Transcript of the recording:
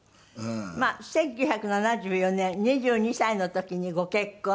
１９７４年２２歳の時にご結婚。